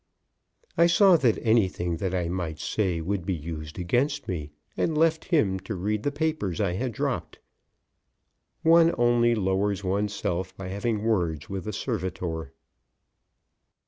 I saw that anything that I might say would be used against me, and left him to read the papers I had dropped. One only lowers one's self by having words with a servitor.